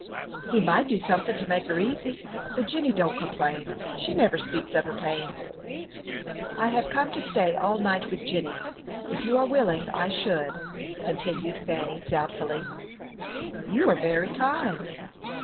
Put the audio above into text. "He might do something to make her easy, but Jenny don't complain. She never speaks of her pains." "I have come to stay all night with Jenny, if you are willing I should," continued Fanny, doubtfully. "You are very kind."